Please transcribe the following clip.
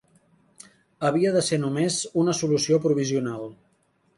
Havia de ser només una solució provisional.